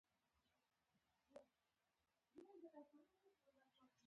ورپسې د هه چه ښار اړوند اي جو سيمې ته روان شوو.